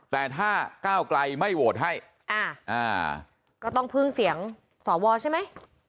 แต่ถ้าก้าวไกลไม่โหวตให้ก็ต้องพึ่งเสียงสวใช่ไหม